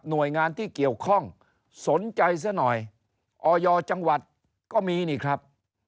โดยงานที่เกี่ยวข้องสนใจซะหน่อยออยจังหวัดก็มีนี่ครับ